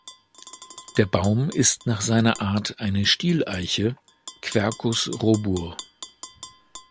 Der Baum ist nach seiner Art eine Stieleiche ("Quercus robur").